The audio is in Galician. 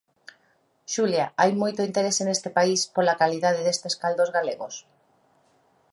Xulia, hai moito interese neste país pola calidade destes caldos galegos?